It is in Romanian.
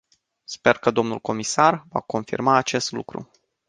Sper că domnul comisar va confirma acest lucru.